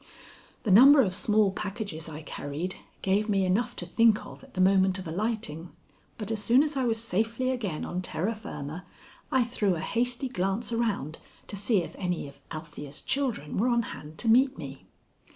The number of small packages I carried gave me enough to think of at the moment of alighting, but as soon as I was safely again on terra firma I threw a hasty glance around to see if any of Althea's children were on hand to meet me.